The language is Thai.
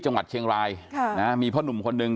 จังหวัดเคียงรายมีเพราะหนุ่มคนนึง